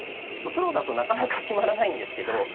プロだとなかなか決まらないんですけど。